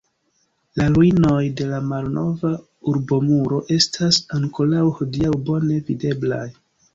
La ruinoj de la malnova urbomuro estas ankoraŭ hodiaŭ bone videblaj.